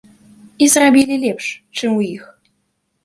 І зрабілі лепш, чым у іх.